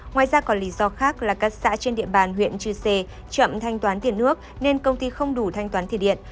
ngoài ra còn lý do khác là các xã trên địa bàn huyện chư sê chậm thanh toán tiền nước nên công ty không đủ thanh toán thủy điện